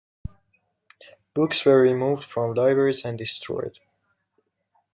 Books were removed from libraries and destroyed.